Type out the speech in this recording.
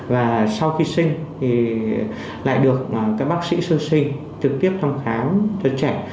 và sau khi sinh thì lại được các bác sĩ sơn sinh trực tiếp thăm khám cho trẻ